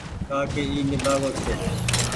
ڪآ ڪي اي نيبآگو ڇي